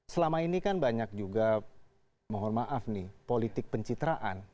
selama ini kan banyak juga mohon maaf nih politik pencitraan